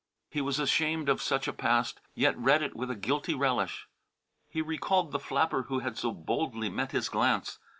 He was ashamed of such a past, yet read it with a guilty relish. He recalled the flapper who had so boldly met his glance.